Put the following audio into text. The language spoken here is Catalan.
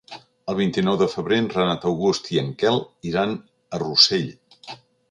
El vint-i-nou de febrer en Renat August i en Quel iran a Rossell.